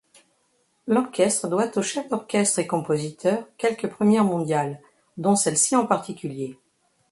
L'orchestre doit au chef d'orchestre et compositeur quelques premières mondiales, dont celle-ci en particulier.